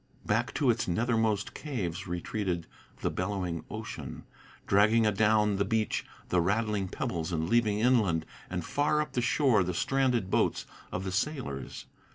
Back to its nethermost caves retreated the bellowing ocean, Dragging adown the beach the rattling pebbles, and leaving Inland and far up the shore the stranded boats of the sailors.